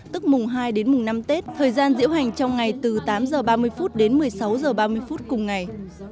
tức mùng hai đến mùng năm tết thời gian diễu hành trong ngày từ tám h ba mươi phút đến một mươi sáu h ba mươi phút cùng ngày